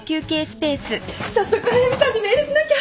早速速見さんにメールしなきゃ。